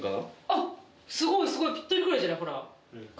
あっすごいすごいぴったりぐらいじゃない？